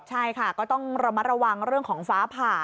ใช่ค่ะก็ต้องระมัดระวังเรื่องของฟ้าผ่า